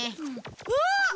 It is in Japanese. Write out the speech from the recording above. うわっ！